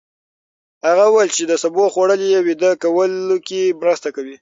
هغه وویل چې د سبو خوړل يې ویده کولو کې مرسته کړې.